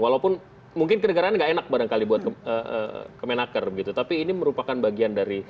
walaupun mungkin kedengaran nggak enak barangkali buat kemenaker gitu tapi ini merupakan bagian dari